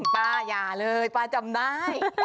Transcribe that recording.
ป้าอย่าเลยป้าจำได้